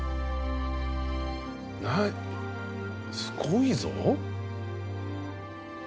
何すごいぞ。